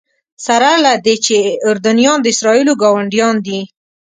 سره له دې چې اردنیان د اسرائیلو ګاونډیان دي.